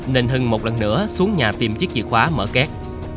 nên hưng một lần nữa xuống nhà tìm chiếc chìa khóa mở két